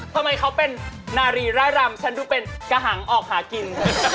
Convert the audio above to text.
ทำไมเขาเป็นนารีร่ายรำฉันดูเป็นกระหังออกหากิน